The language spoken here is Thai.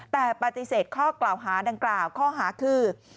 แต่ปฏิเสธข้อกล่าวหาดังกล่าวข้อหาคือ